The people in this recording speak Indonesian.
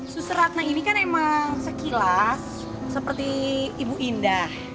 susratna ini kan emang sekilas seperti ibu indah